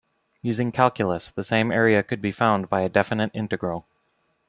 Using calculus, the same area could be found by a definite integral.